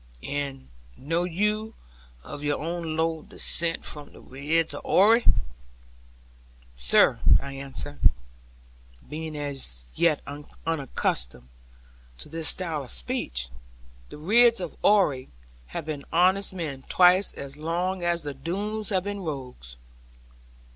'And know you of your own low descent from the Ridds of Oare?' 'Sir,' I answered, being as yet unaccustomed to this style of speech, 'the Ridds, of Oare, have been honest men twice as long as the Doones have been rogues.'